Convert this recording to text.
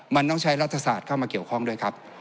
มันต้องใช้รัฐศาสตร์เข้ามาเกี่ยวข้องด้วยครับ